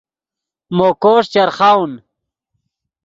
مو کوݰ چرخاؤن